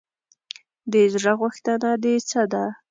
د زړه غوښتنه دې څه ده ؟